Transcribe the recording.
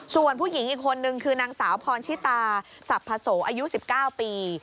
ส่วนผู้หญิงอีกคนนึงคือนางสาวพรชิตาสรรพโสอายุ๑๙ปี